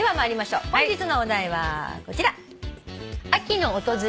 本日のお題はこちら。